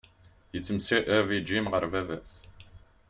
Yettemcabi Jim ɣer baba-s.